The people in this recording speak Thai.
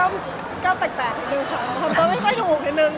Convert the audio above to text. อืมก็แตกขนาดนึงค่ะว่าคนนี้ไม่ค่อยถูกกันนึง